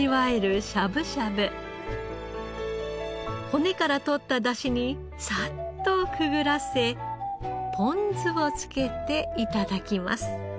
骨からとった出汁にサッとくぐらせポン酢をつけて頂きます。